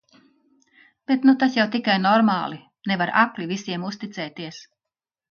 Bet nu tas jau tikai normāli, nevar akli visiem uzticēties.